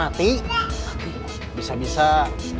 ada siapa saja